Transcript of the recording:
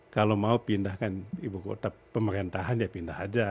kalau mau pindahkan ibu kota pemerintahan ya pindah aja